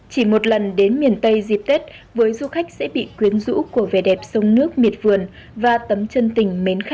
chỉ một lần đến miền tây dịp tết với du khách sẽ bị quyết định